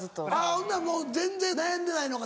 ほんなら全然悩んでないのか。